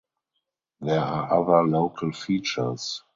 There are other local features.